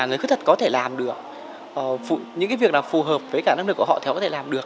người khuyết tật có thể làm được những việc nào phù hợp với cả năng lực của họ thì họ có thể làm được